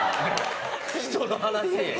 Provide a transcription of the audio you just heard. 人の話。